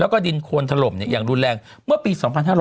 แล้วก็ดินโคนถล่มอย่างรุนแรงเมื่อปี๒๕๕๙